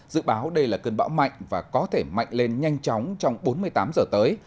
dự báo đây là cơn bão mạnh và có thể mạnh lên nhanh chóng trong bốn mươi tám giờ tới